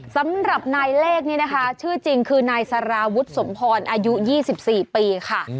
สำหรับนายเลขนี่นะคะชื่อจริงคือนายสารวุฒิสมพรอายุ๒๔ปีค่ะ